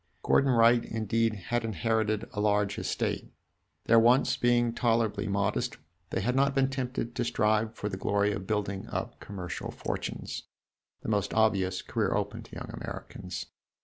Gordon Wright, indeed, had inherited a large estate. Their wants being tolerably modest, they had not been tempted to strive for the glory of building up commercial fortunes the most obvious career open to young Americans.